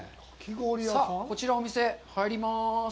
さあ、こちらのお店に入ります。